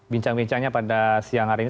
bincang bincangnya pada siang hari ini